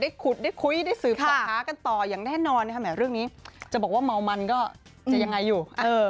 ได้ขุดได้คุยได้สืบชาวค้ากันต่อยังได้นอน